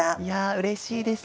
うれしいです。